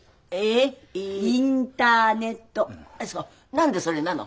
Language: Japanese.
何でそれなの？